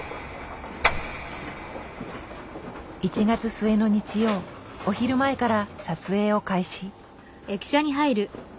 １月末の日曜お昼前から撮影を開始。